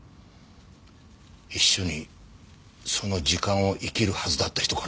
一緒にその時間を生きるはずだった人からもな。